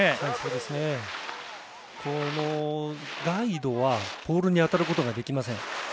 ガイドはポールに当たることができません。